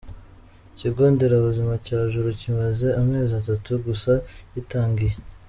Ikigo nderabuzima cya Juru kimaze amezi atatu gusa gitangiye.